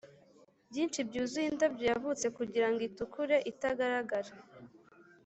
byinshi byuzuye indabyo yavutse kugirango itukure itagaragara,